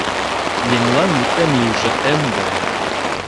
Еҥлан мутем лийже эм гае